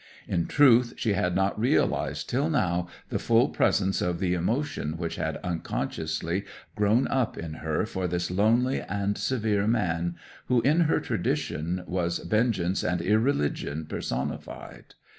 In truth she had not realized till now the full presence of the emotion which had unconsciously grown up in her for this lonely and severe man, who, in her tradition, was vengeance and irreligion personified.